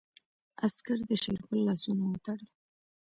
عسکر د شېرګل لاسونه وتړل.